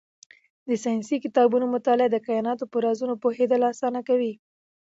د ساینسي کتابونو مطالعه د کایناتو په رازونو پوهېدل اسانه کوي.